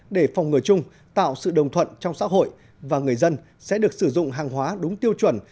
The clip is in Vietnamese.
để phòng ngừa chung tạo sự đồng thuận trong xã hội và người dân sẽ được sử dụng hàng hóa đúng tiêu chuẩn